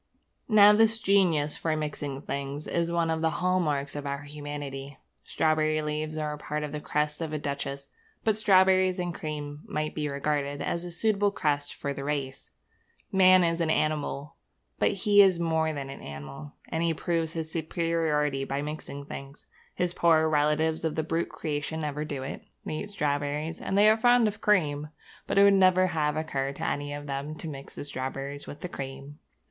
Now this genius for mixing things is one of the hall marks of our humanity. Strawberry leaves are part of the crest of a duchess; but strawberries and cream might be regarded as a suitable crest for the race. Man is an animal, but he is more than an animal; and he proves his superiority by mixing things. His poorer relatives of the brute creation never do it. They eat strawberries, and they are fond of cream; but it would never have occurred to any one of them to mix the strawberries with the cream.